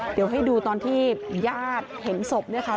เดี๋ยวให้ดูตอนที่ญาติเห็นศพเนี่ยค่ะ